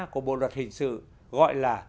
của bộ luật hình sự gọi là